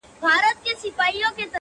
ډك د ميو جام مي د زړه ور مــات كړ؛